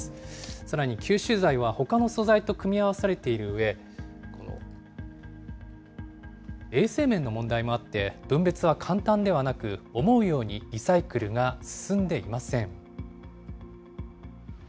さらに吸収材はほかの素材と組み合わされているうえ、衛生面の問題もあって、分別は簡単ではなく、思うようにリサイクルが進んでいません。